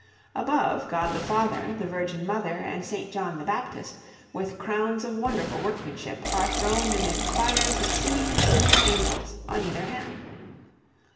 Above, God the Father, the Virgin Mother, and St. John the Baptist, with crowns of wonderful workmanship, are throned amid choirs of singing and playing angels on either hand.